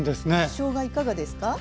しょうがいかがですか？